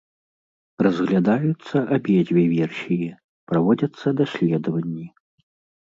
Разглядаюцца абедзве версіі, праводзяцца даследаванні.